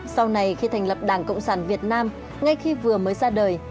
sau này khi thành lập đảng cộng sản việt nam ngay khi vừa mới ra đời